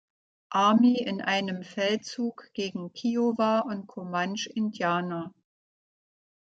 Army in einem Feldzug gegen Kiowa- und Comanche-Indianer.